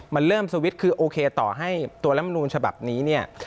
มันเริ่มสวิตช์คือโอเคต่อให้ตัวลำนูลฉบับนี้เนี่ย